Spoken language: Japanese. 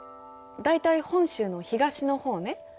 大体本州の東の方ね。